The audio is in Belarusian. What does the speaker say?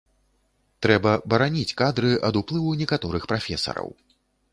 Трэба бараніць кадры ад уплыву некаторых прафесараў.